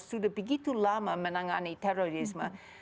sudah begitu lama menangani terorisme